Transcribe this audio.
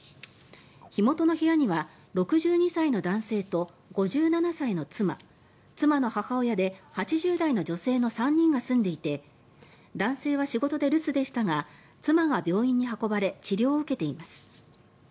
火元の部屋には６２歳の男性と５７歳の妻妻の母親で８０代の女性の３人が住んでいて男性は仕事で留守でしたが妻が病院に運ばれ治療を受けています。